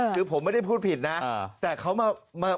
คือผมไม่ได้พูดผิดนะแต่เขามา